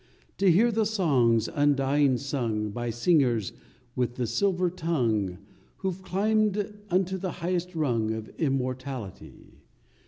To hear the songs undying sung By singers with the silver tongue Who ve climbed unto the highest rung Of Immortality!